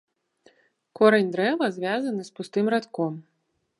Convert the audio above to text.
Корань дрэва звязаны з пустым радком.